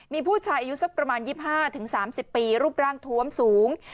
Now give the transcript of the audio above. มีผู้ชายอายุสักประมาณยี่บห้าถึงสามสิบปีรูปร่างถวมสูง